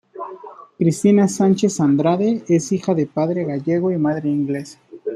Cristina Sánchez-Andrade es hija de padre gallego y madre inglesa.